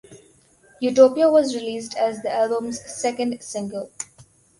"Utopia" was released as the album's second single.